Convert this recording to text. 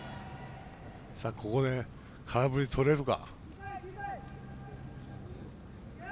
ここで空振り、とれるか。